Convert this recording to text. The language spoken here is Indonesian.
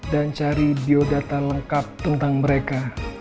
dan cari biodata lengkap tentang mereka